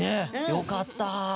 よかった！